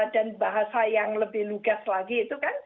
dan bahasa yang lebih lugas lagi itu kan